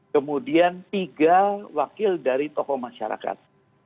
kemudian tiga wakil dari tokoh masyarakat